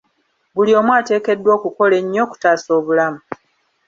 Buli omu ateekeddwa okukola ennyo okutaasa obulamu .